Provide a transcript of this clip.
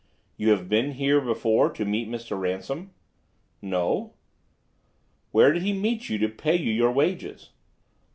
"You have been here before to meet Mr. Ransom?" "No." "Where did he meet you to pay you your wages?"